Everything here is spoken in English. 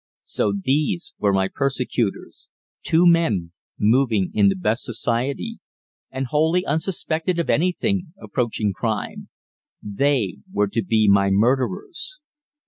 So these were my persecutors, two men moving in the best society, and wholly unsuspected of anything approaching crime. They were to be my murderers!